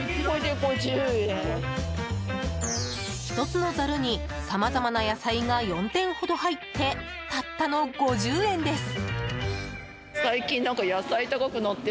１つのざるにさまざまな野菜が４点ほど入ってたったの５０円です。